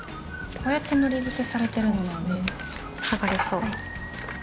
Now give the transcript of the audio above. こうやってのり付けされてるんですね。剥がれそう。